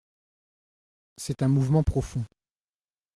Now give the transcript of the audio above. C’est un mouvement profond.